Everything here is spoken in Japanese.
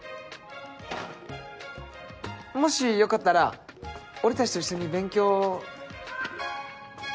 もしよかったら俺たちと一緒に勉強。